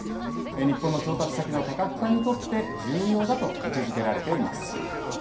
日本の調達先の多角化にとって、重要だと位置づけられています。